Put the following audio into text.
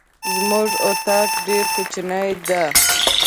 زمونږ اطاق ډير کوچنی ده.